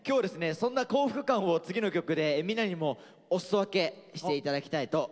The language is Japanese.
そんな幸福感を次の曲でみんなにもお裾分けして頂きたいと思います。